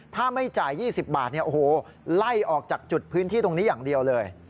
ถ้าไม่จ่าย๒๐บาทไล่ออกจากจุดพื้นที่ตรงนี้อย่างเดียวเลย